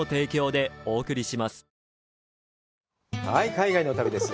海外の旅です。